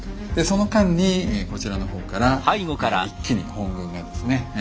その間にこちらの方から一気に本軍がですね